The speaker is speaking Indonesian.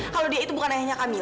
kalau dia itu bukan ayahnya kamila